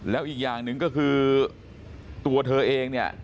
แล้วอีกอย่างหนึ่งก็คือตัวเธอเองเนี่ย